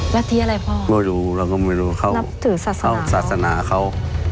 รัฐิอะไรพ่อรัฐิศาสนารัฐิศาสนาเขา